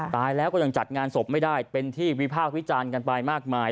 ตายแล้วก็ยังจัดงานศพไม่ได้เป็นที่วิพากษ์วิจารณ์กันไปมากมาย